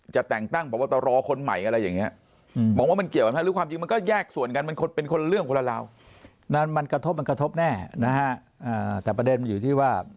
จะแต่งตั้งประวัตราโรคนใหม่อะไรอย่างเนี้ย